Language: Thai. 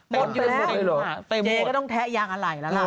มดอยู่หมดเลยหรอเต็มหมดเจ๊ก็ต้องแทะยางอลัยละล่ะ